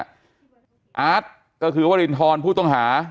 อาร์ตก็คือวรินทรผู้ต้องหา